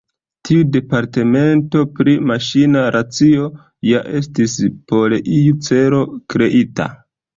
Tiu departemento pri Maŝina Racio ja estis por iu celo kreita.